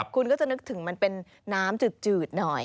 คุณก็จะนึกถึงมันเป็นน้ำจืดหน่อย